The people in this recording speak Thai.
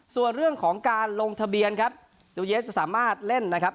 ส่วนเรื่องของการลงทะเบียนครับดูเยสจะสามารถเล่นนะครับ